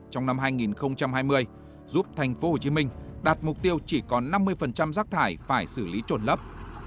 trong năm hai nghìn hai mươi giúp tp hcm đạt mục tiêu chỉ còn năm mươi rác thải phải xử lý trồn lấp